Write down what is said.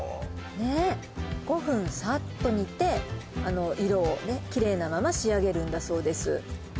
ねえ５分さっと煮て色をキレイなまま仕上げるんだそうです